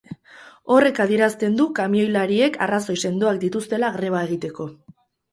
Horrek adierazten du kamioilariek arrazoi sendoak dituztela greba egiteko.